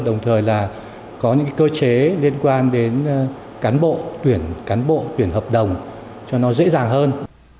đồng thời là có những cơ chế liên quan đến cán bộ tuyển hợp đồng cho nó dễ dàng hơn